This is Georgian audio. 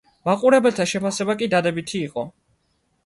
მაყურებელთა შეფასება კი დადებითი იყო.